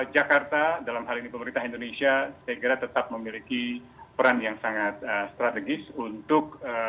jakarta dalam hal ini pemerintah indonesia saya kira tetap memiliki peran yang sangat strategis untuk